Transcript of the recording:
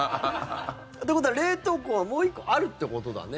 ってことは冷凍庫はもう１個あるってことだね。